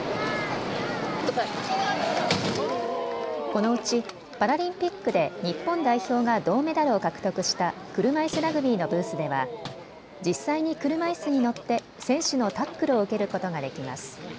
このうちパラリンピックで日本代表が銅メダルを獲得した車いすラグビーのブースでは実際に車いすに乗って選手のタックルを受けることができます。